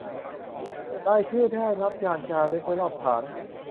รายชื่อได้รับการจารึกไว้รอบฐาน